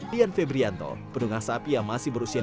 dian febrianto penunggang sapi yang masih berusia lima belas tahun